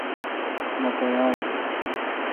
مہ تیار ہو۔